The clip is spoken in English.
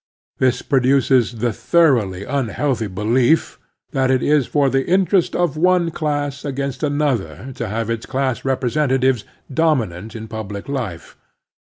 This produces the thoroughly unhealthy belief that it is for the interest of one class as against another to have its class representatives dominant in public life.